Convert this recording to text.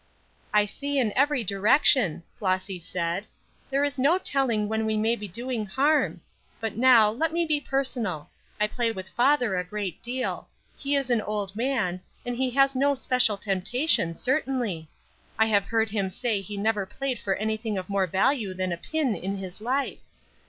"I see in every direction," Flossy said. "There is no telling when we may be doing harm. But, now, let me be personal; I play with father a great deal; he is an old man, and he has no special temptation, certainly. I have heard him say he never played for anything of more value than a pin in his life.